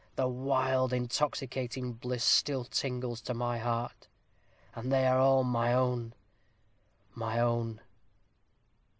The wild intoxicating bliss still tingles to my heart. And they are all my own my own!